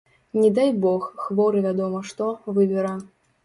Не дай бог, хворы вядома што, выбера.